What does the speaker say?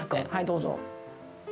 どうぞ。